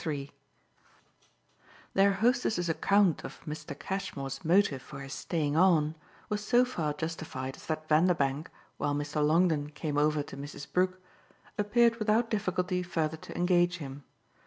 III Their hostess's account of Mr. Cashmore's motive for his staying on was so far justified as that Vanderbank, while Mr. Longdon came over to Mrs. Brook, appeared without difficulty further to engage him.